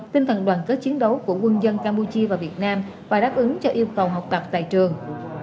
tinh thần đoàn kết chiến đấu của quân dân campuchia và việt nam và đáp ứng cho yêu cầu học tập tại trường